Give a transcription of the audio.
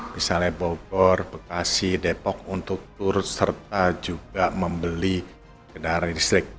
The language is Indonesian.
misalnya bogor bekasi depok untuk turut serta juga membeli kendaraan listrik